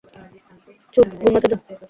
চুপ, ঘুমাতে দাও!